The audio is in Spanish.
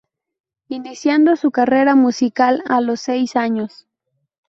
Iniciando su carrera musical a los seis años.